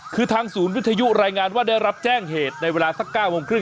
คือทางศูนย์วิทยุรายงานว่าได้รับแจ้งเหตุในเวลาสัก๙โมงครึ่ง